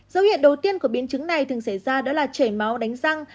dấu hiện đầu tiên của biến chứng này thường xảy ra đó là trẻ máu đánh răng